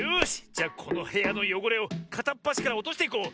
じゃこのへやのよごれをかたっぱしからおとしていこう。